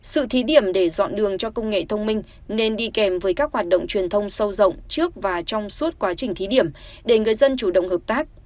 sự thí điểm để dọn đường cho công nghệ thông minh nên đi kèm với các hoạt động truyền thông sâu rộng trước và trong suốt quá trình thí điểm để người dân chủ động hợp tác